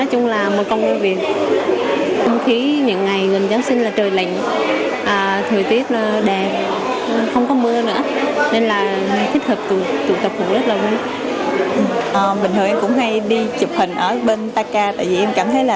hình ở bên taka tại vì em cảm thấy là